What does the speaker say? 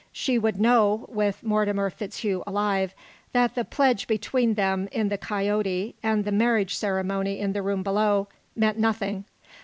She would know, with Mortimer FitzHugh alive, that the pledge between them in the "coyote," and the marriage ceremony in the room below, meant nothing.